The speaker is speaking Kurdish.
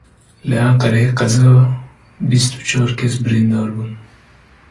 Li Enqereyê qeza bîst û çar kes birînadar bûn.